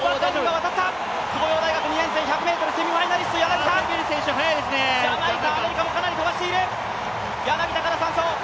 東洋大学２年生セミファイナリストジャマイカ、アメリカもかなり飛ばしている。